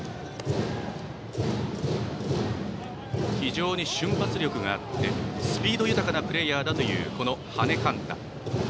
非常に瞬発力があってスピード豊かなプレーヤーだという羽根勘太。